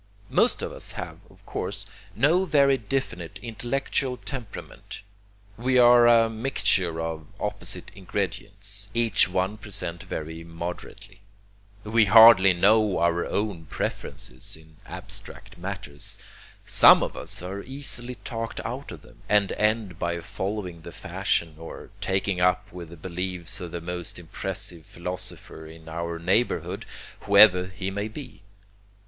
Most of us have, of course, no very definite intellectual temperament, we are a mixture of opposite ingredients, each one present very moderately. We hardly know our own preferences in abstract matters; some of us are easily talked out of them, and end by following the fashion or taking up with the beliefs of the most impressive philosopher in our neighborhood, whoever he may be.